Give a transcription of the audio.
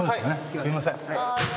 すいません。